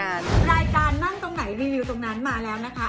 รายการนั่งตรงไหนรีวิวตรงนั้นมาแล้วนะคะ